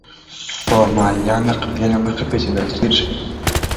سومالیان د قبیلې له مخې پېژندل کېږي.